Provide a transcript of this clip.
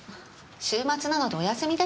週末なのでお休みです。